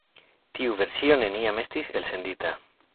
Tiu versio neniam estis elsendita.